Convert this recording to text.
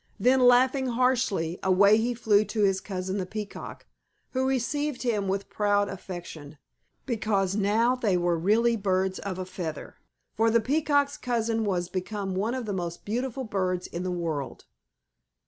Then laughing harshly, away he flew to his cousin the Peacock, who received him with proud affection, because they were now really birds of a feather. For the Peacock's cousin was become one of the most beautiful birds in the world.